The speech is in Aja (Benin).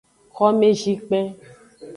Xomezikpen.